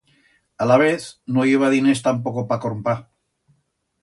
Alavez no i heba diners tampoco pa crompar.